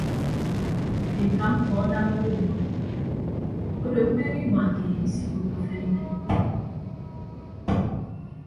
Eka mkpọ anam owo mbʌk odo mbeñe inua keed isikoppo afere inem.